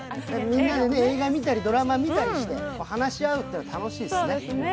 みんなで映画見たりドラマ見たり話し合うって楽しいっすね。